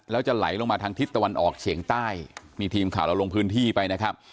แล้วจะไหลลงมาทางทิศตะวันออกเฉียงใต้นี่ทีมข่าวเราลงพื้นที่ไปนะครับ